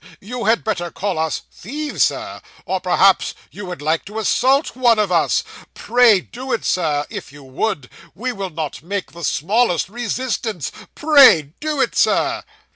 You had better call us thieves, Sir; or perhaps You would like to assault one of us. Pray do it, Sir, if you would; we will not make the smallest resistance. Pray do it, Sir.